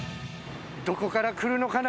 どこから来るのかな？